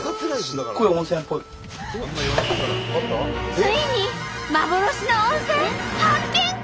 ついに幻の温泉発見か！？